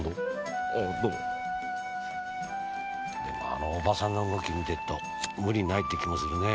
あのおばさんの動き見てっと無理ないって気もするね。